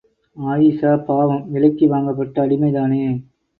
அயீஷா பாவம், விலைக்கு வாங்கப்பட்ட அடிமைதானே!